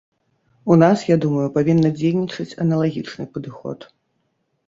У нас, я думаю, павінна дзейнічаць аналагічны падыход.